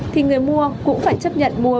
thì người mua cũng phải chấp nhận mua